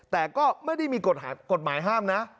แต่ก็ไม่ได้มีกฎหมายห้ามนะ